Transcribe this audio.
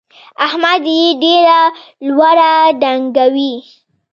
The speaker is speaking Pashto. احمد يې ډېره لوړه ډنګوي.